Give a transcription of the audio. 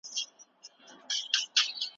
فقط دونه مي پياد دی، چي صالح کس وو.